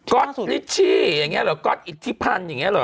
ก็อตฤทธิอย่างเงี้ยหรอก็อตอิทธิพันธ์อย่างเงี้ยหรอ